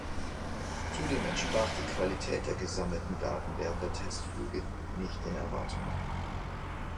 Zudem entsprach die Qualität der gesammelten Daten während der Testflüge nicht den Erwartungen.